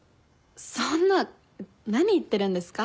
そんな何言ってるんですか。